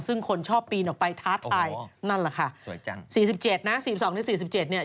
ซึ่งคนชอบปีนออกไปท้าทายนั่นแหละค่ะ